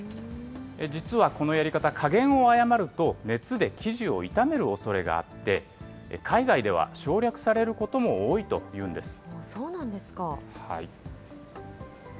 実はこのやり方、加減を誤ると、熱で生地を傷めるおそれがあって、海外では省略されることも多いとそうなんですか。